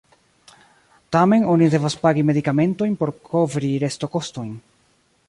Tamen oni devas pagi medikamentojn por kovri restokostojn.